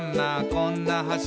こんな橋」